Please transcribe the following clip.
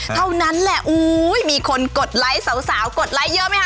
เท่านั้นแหละมีคนกดไลค์สาวกดไลค์เยอะไหมคะ